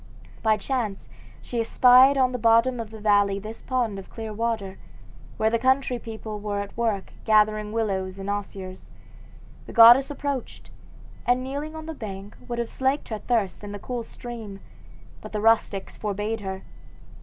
By chance she espied on the bottom of the valley this pond of clear water, where the country people were at work gathering willows and osiers. The goddess approached, and kneeling on the bank would have slaked her thirst in the cool stream, but the rustics forbade her.